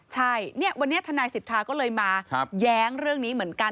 ใช่เนี่ยวันนี้ทนายสิทธาก็เลยมาแย้งเรื่องนี้เหมือนกัน